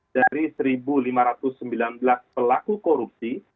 dari satu lima ratus sembilan belas pelaku korupsi